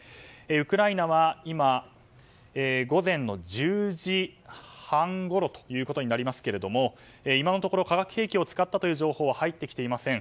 ウクライナは今午前１０時半ごろになりますが今のところ化学兵器を使ったという情報は入ってきていません。